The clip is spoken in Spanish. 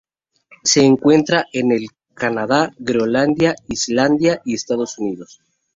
Se encuentra en el Canadá, Groenlandia, Islandia Noruega y Estados Unidos.